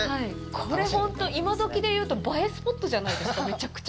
これ本当、今どきで言うと映えスポットじゃないですか、めちゃくちゃ。